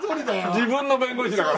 自分の弁護士だから。